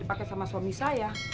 dipake sama suami saya